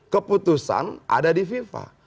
keputusan ada di fifa